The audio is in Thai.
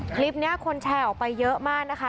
คลิปนี้คนแชร์ออกไปเยอะมากนะคะ